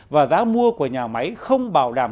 và giá mua của nhà máy không bảo đảm